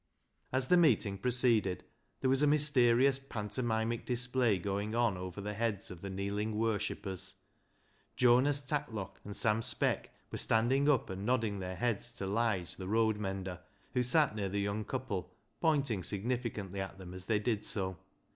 As the meeting proceeded there was a myster ious pantomimic display going on over the heads of the kneeling worshippers. Jonas Tatlock and Sam Speck were standing up and nodding their heads to Lige the road mender, who sat near the young couple, pointing significantly at them as they did so.